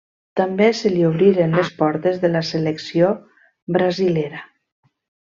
També se li obriren les portes de la selecció brasilera.